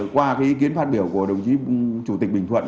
qua ý kiến phát biểu của đồng chí chủ tịch bình thuận